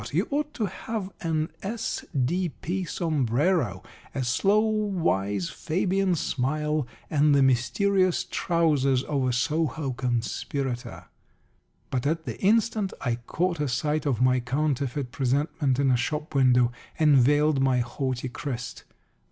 You ought to have an S.D.P. sombrero, a slow wise Fabian smile, and the mysterious trousers of a Soho conspirator." But at the instant I caught a sight of my counterfeit presentment in a shop window, and veiled my haughty crest.